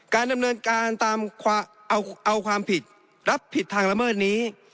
การดำเนินการตามเอาความผิดรับผิดทางละเมิดนี้